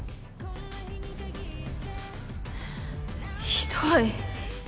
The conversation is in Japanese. ひどい。